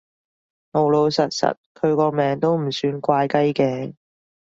老老實實，佢個名都唔算怪雞嘅